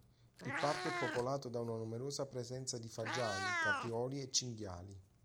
Il parco è popolato da una numerosa presenza di fagiani, caprioli e cinghiali